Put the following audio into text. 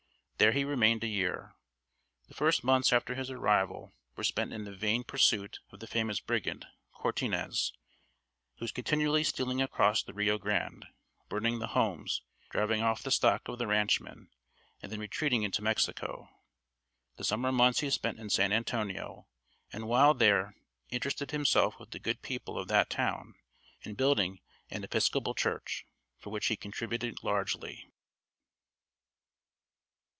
There he remained a year. The first months after his arrival were spent in the vain pursuit of the famous brigand, Cortinez, who was continually stealing across the Rio Grande, burning the homes, driving off the stock of the ranchmen, and then retreating into Mexico. The summer months he spent in San Antonio, and while there interested himself with the good people of that town in building an Episcopal church, to which he contributed largely.